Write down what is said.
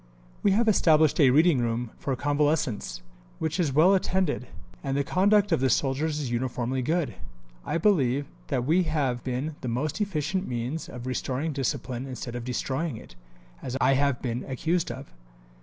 "We have established a reading room for convalescents, which is well attended; and the conduct of the soldiers is uniformly good. I believe that we have been the most efficient means of restoring discipline instead of destroying it, as I have been accused of.